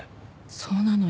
そうなのよ。